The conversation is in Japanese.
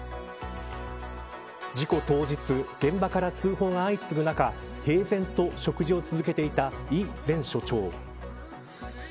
事故当日現場から通報が相次ぐ中平然と食事を続けていた李前署長。